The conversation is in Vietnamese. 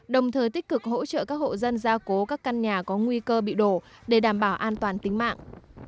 đồng thời tích cực hỗ trợ các hộ dân ra cố các căn nhà có nguy cơ bị đổ để đảm bảo an toàn tính mạng